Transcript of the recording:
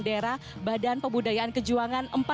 daerah badan pembudayaan kejuangan